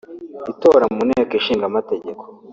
Itora mu nteko ishinga amategeko